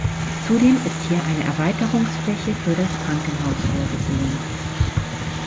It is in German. Zudem ist hier eine Erweiterungsfläche für das Krankenhaus vorgesehen.